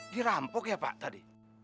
dirampok ya pak tadi